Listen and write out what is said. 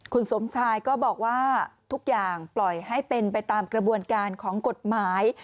คุณสมชายก็บอกว่าทุกอย่างปล่อยให้เป็นไปตามกระบวนการของกฎหมาย